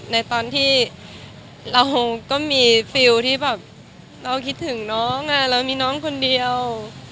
ในตอนที่เราก็มีฟิลที่แบบเราคิดถึงน้องเรามีน้องคนเดียว